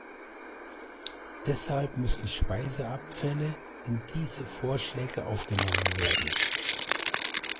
Deshalb müssen Speiseabfälle in diese Vorschläge aufgenommen werden.